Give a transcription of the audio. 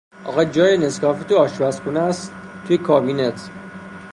آخه جای نسکافه تو آشپزخونهاس، توی کابینت.